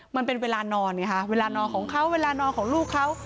มันเป็นเวลานอนไงค่ะเวลานอนของเขาเวลานอนของลูกเขา